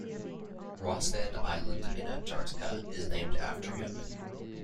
Rostand Island in Antarctica is named after him.